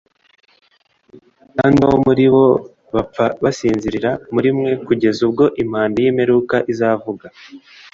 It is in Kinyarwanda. kandi abo muri bo bapfa bazasinzirira muri we kugeza ubwo impanda y'imperuka izavuga.